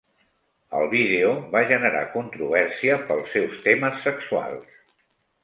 El vídeo va generar controvèrsia pels seus temes sexuals.